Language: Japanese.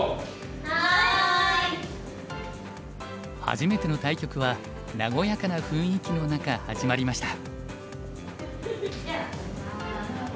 初めての対局は和やかな雰囲気の中始まりました。